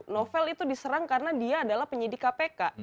novel itu diserang karena dia adalah penyidik kpk